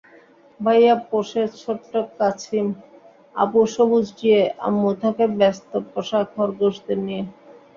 ভাইয়া পোষে ছোট্ট কাছিম, আপু সবুজ টিয়েআম্মু থাকে ব্যস্ত পোষা খরগোশদের নিয়ে।